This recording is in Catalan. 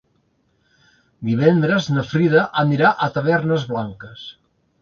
Divendres na Frida anirà a Tavernes Blanques.